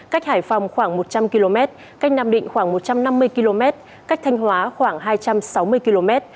cách hải phòng khoảng một trăm linh km cách nam định khoảng một trăm năm mươi km cách thanh hóa khoảng hai trăm sáu mươi km